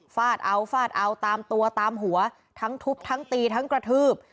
ฟาดเอาฟาดเอาตามตัวตามหัวทั้งทุบทั้งตีทั้งกระทืบ